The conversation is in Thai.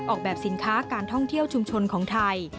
ออกแบบสินค้าการท่องเที่ยวชุมชนของไทย